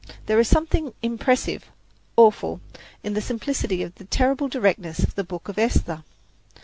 There is something impressive, awful, in the simplicity and terrible directness of the book of Esther.